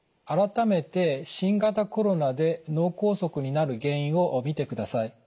改めて新型コロナで脳梗塞になる原因を見てください。